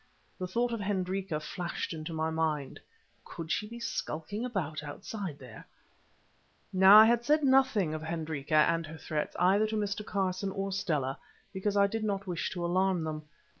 The thought of Hendrika flashed into my mind; could she be skulking about outside there? Now I had said nothing of Hendrika and her threats either to Mr. Carson or Stella, because I did not wish to alarm them.